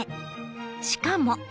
しかも。